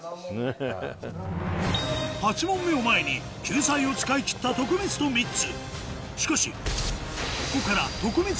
８問目を前に救済を使い切った徳光とミッツ